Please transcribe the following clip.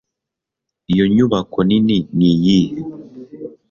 iyo nyubako nini niyihe